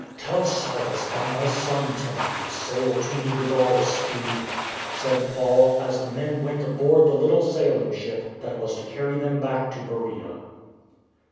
" Tell Silas and my son Timothy to sail to me with 212 STORM AND STRESS all speed," said Paul as the men went aboard the little sailing ship that was to carry them back to Beroea.